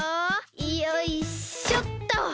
よいしょっと。